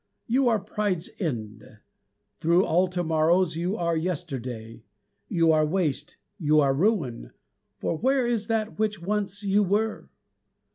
You are Pride's end. Through all to morrows you are yesterday. You are waste, You are ruin, For where is that which once you were?